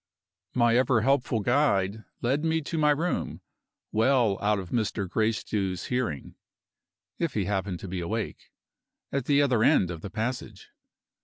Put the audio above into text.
My ever helpful guide led me to my room well out of Mr. Gracedieu's hearing, if he happened to be awake at the other end of the passage.